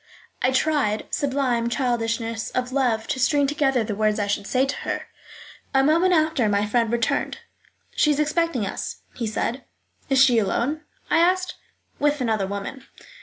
I tried (sublime childishness of love!) to string together the words I should say to her. A moment after my friend returned. "She is expecting us," he said. "Is she alone?" I asked. "With another woman."